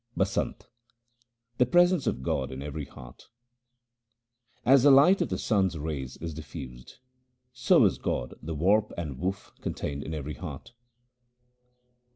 Basant The presence of God in every heart :— As the light of the sun's rays is diffused, So is God the warp and woof contained in every heart.